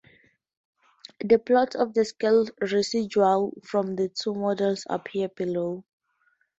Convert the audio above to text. The plots of the scaled residuals from the two models appear below.